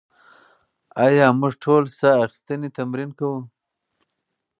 ایا موږ ټول ساه اخیستنې تمرین کوو؟